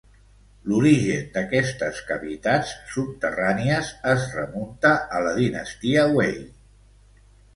L'origen d'aquestes cavitats subterrànies es remunta a la dinastia Wei.